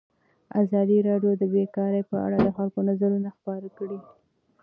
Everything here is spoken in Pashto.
ازادي راډیو د بیکاري په اړه د خلکو نظرونه خپاره کړي.